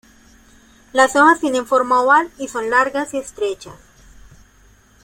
Las hojas tienen forma oval y son largas y estrechas.